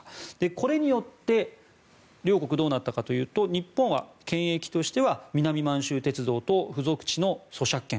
これによって両国どうなったかというと日本は権益としては南満州鉄道と付属地の租借権。